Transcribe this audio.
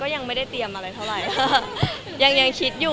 ก็ยังไม่ได้เตรียมอะไรเท่าไหร่